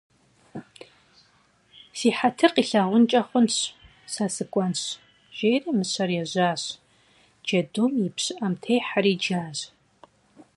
Си хьэтыр къилъагъункӏэ хъунщ, сэ сыкӏуэнщ, жери мыщэр ежьащ, джэдум и пщыӏэм техьэри джащ.